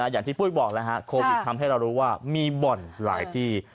อย่างที่ปุ้ยบอกแล้วฮะโควิดทำให้เรารู้ว่ามีบ่อนหลายที่